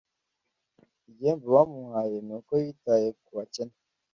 igihembo bamuhaye nuko yitaye kubakene